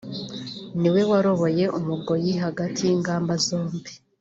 Ni we waroboye Umugoyi hagati y’ingamba zombi